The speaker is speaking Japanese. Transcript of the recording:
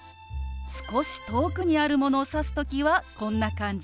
少し遠くにあるものを指す時はこんな感じ。